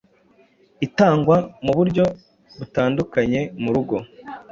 itangwa mu buryo butandukanye mu rugo